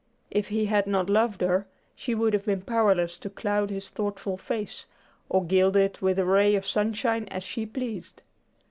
If he had not loved her, she would have been powerless to cloud his thoughtful face, or gild it with a ray of sunshine as she pleased.